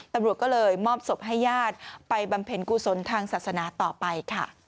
ตำรวจก็เลยมอบศพให้ญาติไปบำเพ็ญกุศลทางศาสนาต่อไปค่ะ